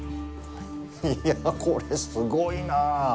いやあ、これ、すごいなあ！